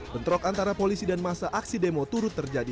bentrok antara polisi dan masa aksi demo turut terjadi